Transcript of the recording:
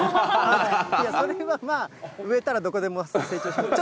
いや、それはまあ、植えたらどこでも成長します。